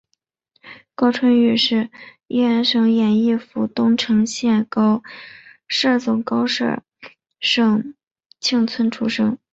高春育是乂安省演州府东城县高舍总高舍社盛庆村出生。